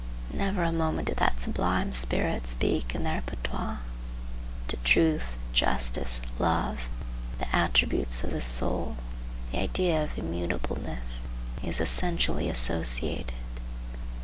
Never a moment did that sublime spirit speak in their patois. To truth, justice, love, the attributes of the soul, the idea of immutableness is essentially associated.